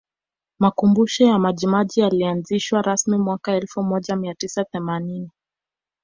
Makumbusho ya Majimaji yalianzishwa rasmi mwaka elfu moja mia tisa themanini